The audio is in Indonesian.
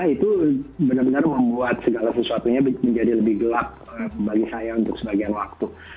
itu benar benar membuat segala sesuatunya menjadi lebih gelap bagi saya untuk sebagian waktu